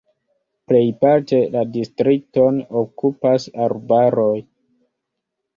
Plejparte la distrikton okupas arbaroj.